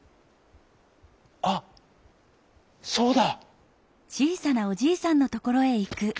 あっそうだ！」。